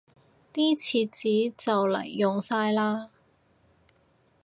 啲廁紙就黎用晒喇